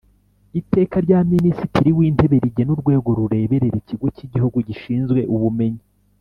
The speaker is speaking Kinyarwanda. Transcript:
iteka rya minisitiri w intebe rigena urwego rureberera ikigo cy igihugu gishinzwe ubumenyi